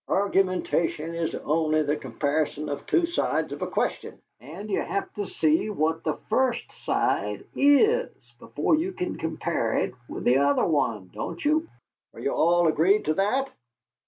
Argumentation is only the comparison of two sides of a question, and you have to see what the first side IS before you can compare it with the other one, don't you? Are you all agreed to that?"